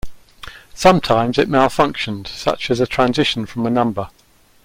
Sometimes it malfunctioned, such as a transition from a number.